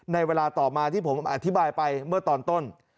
ในเวลาต่อมาที่ผมอธิบายไปเมื่อตอนต้น